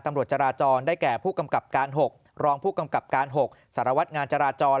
ตำรวจจาราจรได้แก่รองผู้กำกับการ๖สารวรรษงานจาราจร